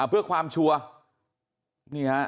เพื่อความชัวร์